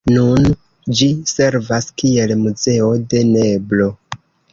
Nun ĝi servas kiel muzeo de meblo.